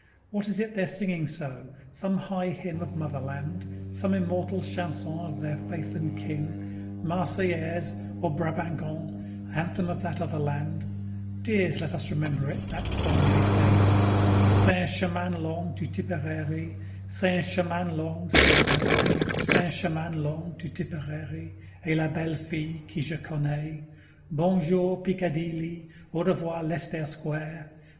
What is it they're singing so? Some high hymn of Motherland? Some immortal chanson of their Faith and King? 'Marseillaise' or 'Brabanc, on', anthem of that other land, Dears, let us remember it, that song they sing: _"C'est un chemin long 'to Tepararee', C'est un chemin long, c'est vrai; C'est un chemin long 'to Tepararee', Et la belle fille qu'je connais. Bonjour, Peekadeely! Au revoir, Lestaire Squaire!